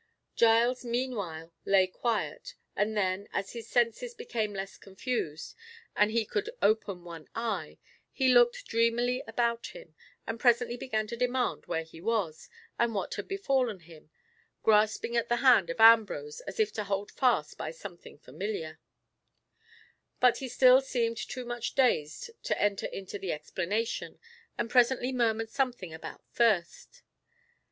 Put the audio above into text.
Giles meanwhile lay quiet, and then, as his senses became less confused, and he could open one eye, he looked dreamily about him, and presently began to demand where he was, and what had befallen him, grasping at the hand of Ambrose as if to hold fast by something familiar; but he still seemed too much dazed to enter into the explanation, and presently murmured something about thirst.